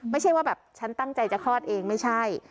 ไม่ใช่ว่าแบบฉันตั้งใจจะคลอดเองไม่ใช่